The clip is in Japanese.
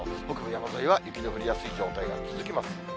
北部山沿いは雪の降りやすい状態が続きます。